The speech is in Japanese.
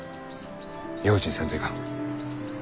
用心せんといかん。